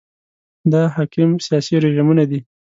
دا حاکم سیاسي رژیمونه دي.